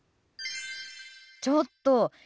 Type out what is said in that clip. ちょっと！